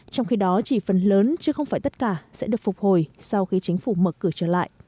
trong khi đó chỉ phần lớn chứ không phải tất cả sẽ được phục hồi sau khi chính phủ mở cửa trở lại